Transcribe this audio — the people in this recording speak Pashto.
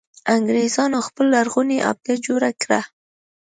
انګرېزانو خپله لرغونې آبده جوړه کړه.